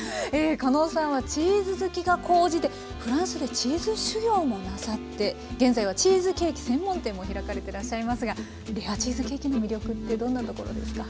かのうさんはチーズ好きが高じてフランスでチーズ修業もなさって現在はチーズケーキ専門店も開かれてらっしゃいますがレアチーズケーキの魅力ってどんなところですか？